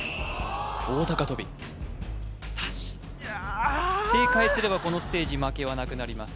棒高跳びいやっ正解すればこのステージ負けはなくなります